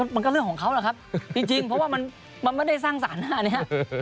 มันก็เรื่องของเขาแหละครับจริงเพราะว่ามันไม่ได้สร้างสารหน้านี้